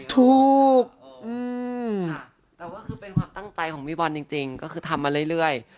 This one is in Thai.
ต่างใจของพี่บอลจริงก็คือทำมาเรื่อย